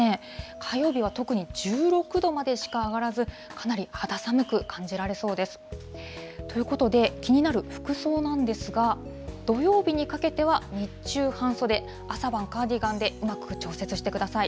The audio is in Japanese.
火曜日は特に１６度までしか上がらず、かなり肌寒く感じられそうです。ということで、気になる服装なんですが、土曜日にかけては日中、半袖、朝晩、カーディガンでうまく調節してください。